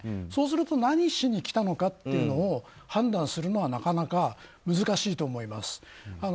そうすると、何しに来たのかというのを判断するのはなかなか難しいと思います。